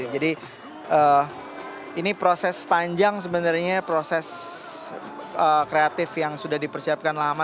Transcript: jadi ini proses panjang sebenarnya proses kreatif yang sudah dipersiapkan lama